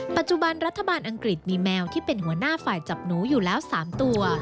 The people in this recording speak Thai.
ปัจจุบันรัฐบาลอังกฤษมีแมวที่เป็นหัวหน้าฝ่ายจับหนูอยู่แล้ว๓ตัว